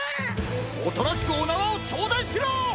おとなしくおなわをちょうだいしろ！